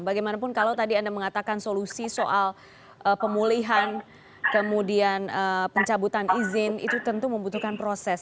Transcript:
bagaimanapun kalau tadi anda mengatakan solusi soal pemulihan kemudian pencabutan izin itu tentu membutuhkan proses